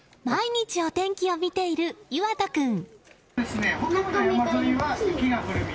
毎日お天気を見ている結愛斗君。